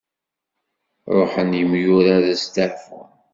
Ruḥen yemyurar ad steɛfun.